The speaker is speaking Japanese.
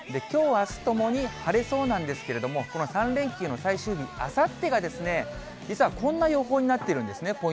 きょう、あすともに晴れそうなんですけれども、この３連休の最終日、あさってが、実はこんな予報になっているんですね。